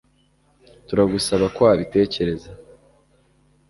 Turagusaba ko wabitekereza